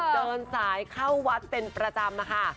เดินสายเข้าวัดเป็นประจำนะคะ